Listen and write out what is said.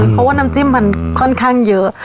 เพราะว่าน้ำจิ้มมันค่อนข้างเยอะ